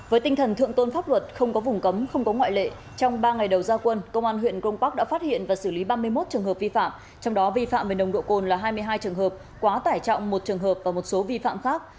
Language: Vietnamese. với tinh thần thượng tôn pháp luật không có vùng cấm không có ngoại lệ trong ba ngày đầu gia quân công an huyện grong park đã phát hiện và xử lý ba mươi một trường hợp vi phạm trong đó vi phạm về nồng độ cồn là hai mươi hai trường hợp quá tải trọng một trường hợp và một số vi phạm khác